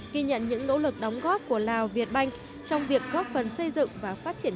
kỳ nhận những nỗ lực đóng góp của lào việt banh trong việc góp phần xây dựng và phát triển